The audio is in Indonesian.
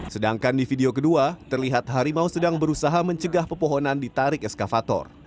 sedangkan di video kedua terlihat harimau sedang berusaha mencegah pepohonan ditarik eskavator